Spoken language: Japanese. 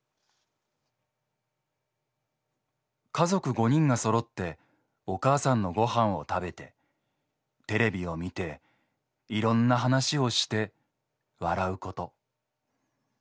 「家族５人が揃ってお母さんのご飯を食べてテレビを見ていろんな話をして笑うこと。